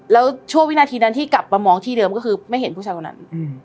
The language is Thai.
แล้วช่วงวินาทีนั้นที่กลับมามองที่เดิมก็คือไม่เห็นผู้ชายคนนั้น